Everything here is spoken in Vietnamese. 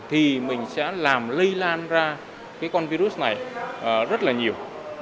thì mình sẽ làm lây lan ra cái con virus này rất là nhiều